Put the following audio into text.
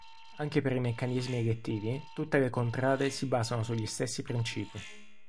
Anche per i meccanismi elettivi, tutte le Contrade si basano sugli stessi principi.